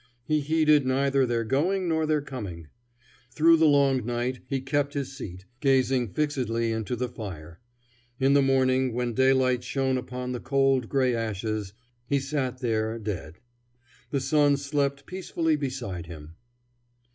He heeded neither their going nor their coming. Through the long night he kept his seat, gazing fixedly into the fire. In the morning, when daylight shone upon the cold, gray ashes, he sat there dead. The son slept peacefully beside him.